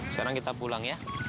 sekarang kita pulang ya